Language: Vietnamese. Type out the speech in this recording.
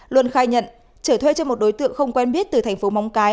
luân khai nhận trở thuê cho một đối tượng không quen biết từ thành phố móng cái